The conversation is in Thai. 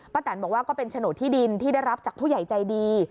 แตนบอกว่าก็เป็นโฉนดที่ดินที่ได้รับจากผู้ใหญ่ใจดี